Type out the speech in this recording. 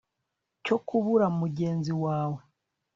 cyo kubura mugenzi wawe